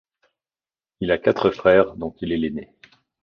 Il a quatre frères dont il est l'ainé.